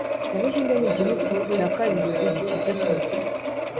Ubuhinde n’igihugu cya karindwi gikize ku isi